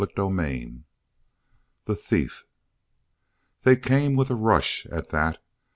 CHAPTER X THE THIEF They came with a rush, at that.